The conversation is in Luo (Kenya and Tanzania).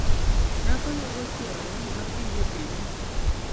Nyako yuago chuore omaki gi obila